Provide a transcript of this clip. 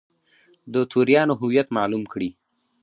د توریانو هویت معلوم کړي.